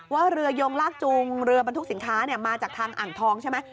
เรือยงลากจูงเรือบรรทุกสินค้ามาจากทางอ่างทองใช่ไหม